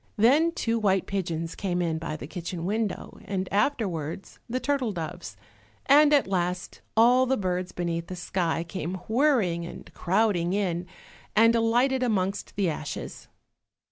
Then two white pigeons came in by the kitchen window, and afterwards the turtle doves, and at last all the birds beneath the sky, came whirring and crowding in, and alighted amongst the ashes.